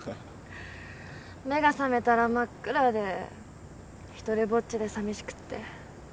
目が覚めたら真っ暗で独りぼっちでさみしくって。